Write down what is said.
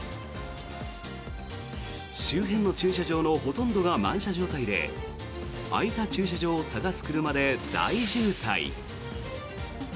周辺の駐車場のほとんどが満車状態で空いた駐車場を探す車で大渋滞。